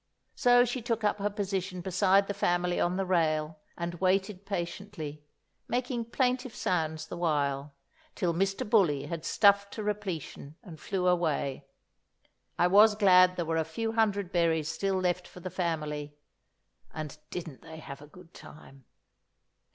So she took up her position beside the family on the rail and waited patiently, making plaintive sounds the while, till Mr. Bully had stuffed to repletion and flew away. I was glad there were a few hundred berries still left for the family. And didn't they have a good time!